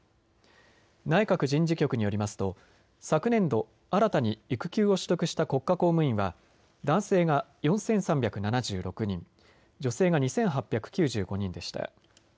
内閣人事局によりますと昨年度、新たに育休を取得した国家公務員は男性が４３７６人、女性が２８９５人でした。